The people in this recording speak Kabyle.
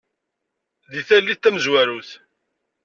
Di tallit tamezwarut.